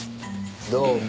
どうも。